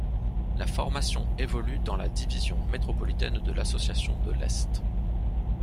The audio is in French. La formation évolue dans la Division Métropolitaine de l'association de l'Est.